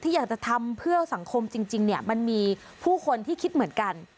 อยากจะทำเพื่อสังคมจริงเนี่ยมันมีผู้คนที่คิดเหมือนกัน